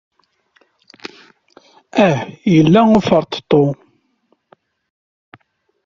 Ah, yella uferṭeṭṭu!